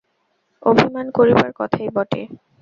অভিমান করিবার কথাই বটে।